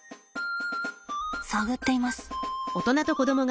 探っています。